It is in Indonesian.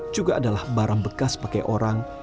juga adalah barang bekas pakai orang